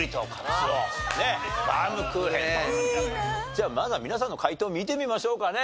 じゃあまずは皆さんの解答を見てみましょうかね。